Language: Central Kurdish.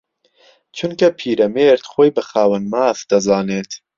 چونکە پیرەمێرد خۆی بە خاوەن ماف دەزانێت